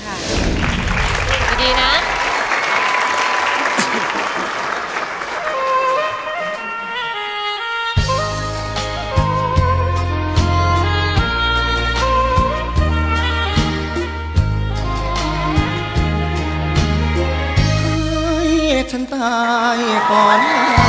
กลับไปก่อนกลับมาก่อน